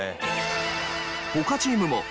他チームも打倒